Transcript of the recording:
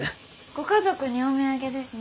ご家族にお土産ですね。